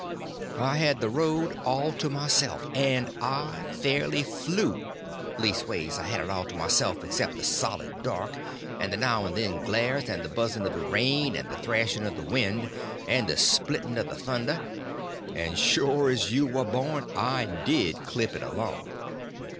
I had the road all to myself, and I fairly flew—leastways, I had it all to myself except the solid dark, and the now and then glares, and the buzzing of the rain, and the thrashing of the wind, and the splitting of the thunder; and sure as you are born I did clip it along!